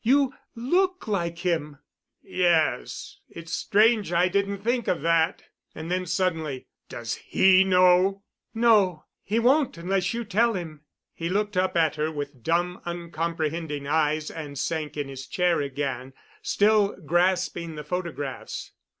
You look like him." "Yes—it's strange I didn't think of that." And then suddenly, "Does he know?" "No—he won't unless you tell him." He looked up at her with dumb, uncomprehending eyes and sank in his chair again, still grasping the photographs.